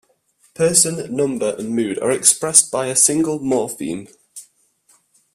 Person, number and mood are expressed by a single morpheme.